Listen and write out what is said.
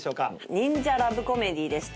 忍者ラブコメディーでして。